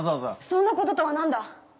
そんなこととは何だ！